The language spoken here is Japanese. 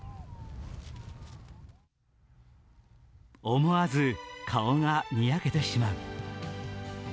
思わず顔がにやけてしまう。